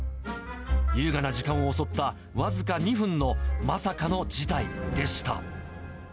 優雅な時間を襲った僅か２分のまさかの事態でした。